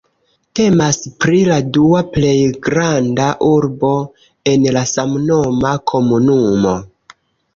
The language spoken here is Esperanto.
Temas pri la dua plej granda urbo en la samnoma komunumo.